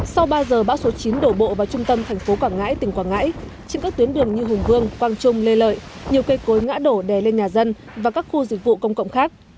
sau ba giờ bão số chín đổ bộ vào trung tâm thành phố quảng ngãi tỉnh quảng ngãi trên các tuyến đường như hùng vương quang trung lê lợi nhiều cây cối ngã đổ đè lên nhà dân và các khu dịch vụ công cộng khác